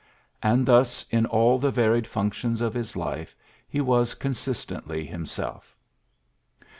And thus in all the varied functions of his life he was consistently himself.